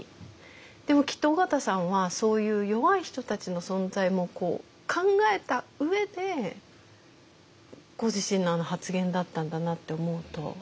でもきっと緒方さんはそういう弱い人たちの存在も考えた上でご自身のあの発言だったんだなって思うと。